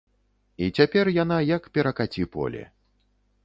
І цяпер яна як перакаці-поле.